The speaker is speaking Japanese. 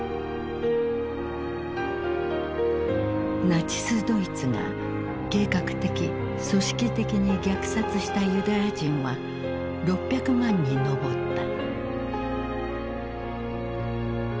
ナチスドイツが計画的組織的に虐殺したユダヤ人は６００万人に上った。